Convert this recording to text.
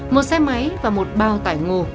một xe máy và một bao tải ngồ